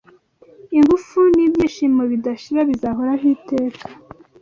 Ingufu nibyishimo bidashira bizahoraho iteka